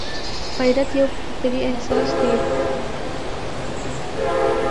غیرت یو فطري احساس دی